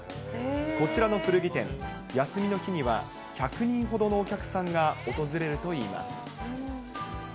こちらの古着店、休みの日には１００人ほどのお客さんが訪れるといいます。